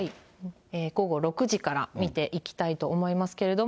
午後６時から見ていきたいと思いますけれども。